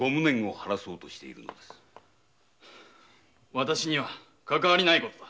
わたしにはかかわりないことだ！